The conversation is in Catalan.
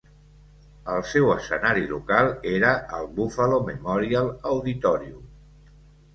El seu escenari local era el Buffalo Memorial Auditorium.